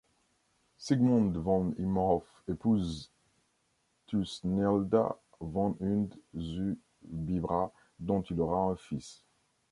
Sigmund von Imhoff épouse Thusnelda von und zu Bibra, dont il aura un fils.